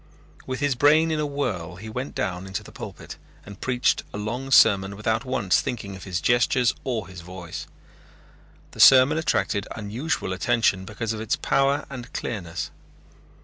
With his brain in a whirl he went down into the pulpit and preached a long sermon without once thinking of his gestures or his voice. The sermon attracted unusual attention because of its power and clearness.